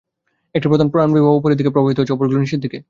একটি প্রধান প্রাণপ্রবাহ উপরের দিকে প্রবাহিত হচ্ছে, অপরগুলি নীচের দিকে।